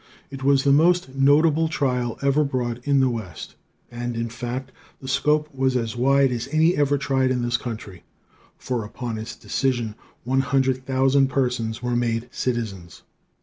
It was the most notable trial ever brought in the West, and, in fact, the scope was as wide as any ever tried in this country; for upon its decision one hundred thousand persons were made citizens.